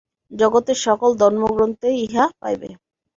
জগতের সকল ধর্মগ্রন্থেই ইহা পাইবে।